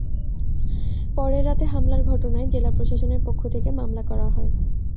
পরে রাতে হামলার ঘটনায় জেলা প্রশাসনের পক্ষ থেকে মামলা করা হয়।